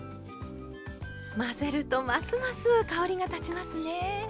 混ぜるとますます香りが立ちますね。